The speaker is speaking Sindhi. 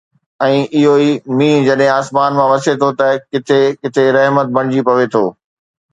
۽ اهو ئي مينهن جڏهن آسمان مان وسي ٿو ته ڪٿي ڪٿي رحمت بڻجي پوي ٿي